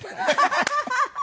ハハハハ！